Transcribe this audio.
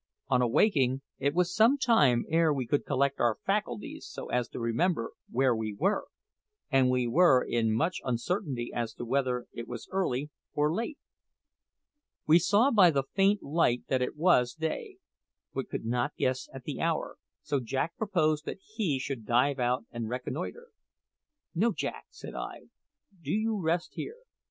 On awaking, it was some time ere we could collect our faculties so as to remember where we were, and we were in much uncertainty as to whether it was early or late. We saw by the faint light that it was day, but could not guess at the hour; so Jack proposed that he should dive out and reconnoitre. "No, Jack," said I; "do you rest here.